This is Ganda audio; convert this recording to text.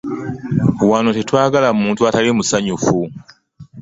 Wano tetwagala muntu atali musanyufu.